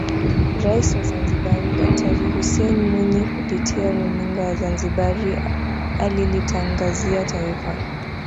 Rais wa Zanzibari Daktari Hussein Mwinyi kupitia runinga ya Zanzibari alilitangazia Taifa